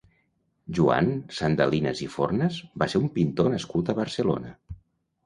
Joan Sandalinas i Fornas va ser un pintor nascut a Barcelona.